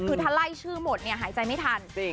คือถ้าไล่ชื่อหมดเนี่ยหายใจไม่ทัน